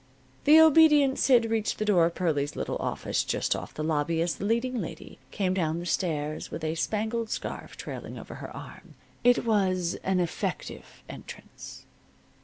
The obedient Sid reached the door of Pearlie's little office just off the lobby as the leading lady came down the stairs with a spangled scarf trailing over her arm. It was an effective entrance.